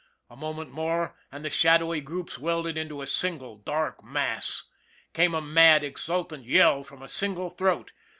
A moment more and the shadowy groups welded into a single dark mass. Came a mad, exultant yell from a single throat.